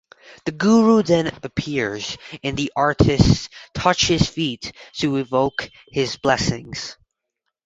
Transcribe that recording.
The 'Guru' then appears and the artistes touch his feet to evoke his blessings.